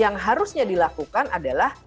yang harusnya dilakukan adalah